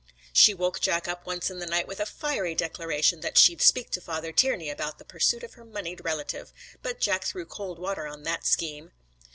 She woke Jack up once in the night with a fiery declaration that she'd speak to Father Tiernay about the pursuit of her moneyed relative, but Jack threw cold water on that scheme.